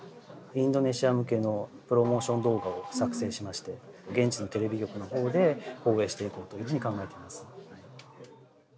インドネシア向けのプロモーション動画を作成しまして現地のテレビ局のほうで放映していこうというふうに考えています。